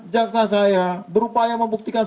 jaksa saya berupaya membuktikan